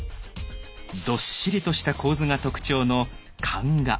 どっしりとした構図が特徴の漢画。